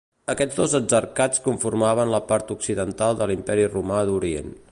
Aquests dos exarcats conformaven la part occidental de l'Imperi Romà d'Orient.